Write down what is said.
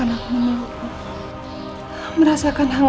apakah memang kamu harus pergi worst run identity macam ini